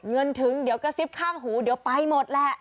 เงินถึงเดี๋ยวกระซิบข้างหูเดี๋ยวไปหมดแหละ